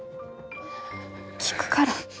聞くから。